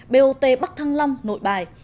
bot bắc thăng long nội bài